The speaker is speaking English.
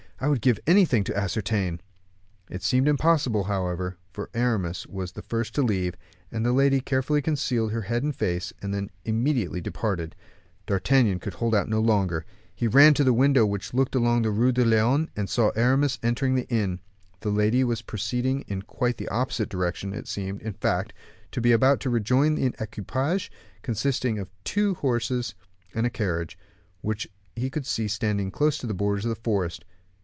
I would give anything to ascertain." This seemed impossible, however, for Aramis was the first to leave; the lady carefully concealed her head and face, and then immediately departed. D'Artagnan could hold out no longer; he ran to the window which looked out on the Rue de Lyon, and saw Aramis entering the inn. The lady was proceeding in quite an opposite direction, and seemed, in fact, to be about to rejoin an equipage, consisting of two led horses and a carriage, which he could see standing close to the borders of the forest.